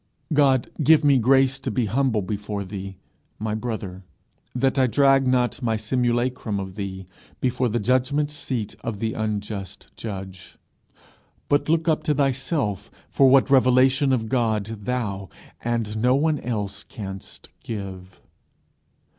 God give me grace to be humble before thee, my brother, that I drag not my simulacrum of thee before the judgment seat of the unjust judge, but look up to thyself for what revelation of God thou and no one else canst give.